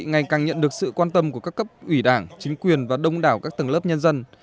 ngày càng nhận được sự quan tâm của các cấp ủy đảng chính quyền và đông đảo các tầng lớp nhân dân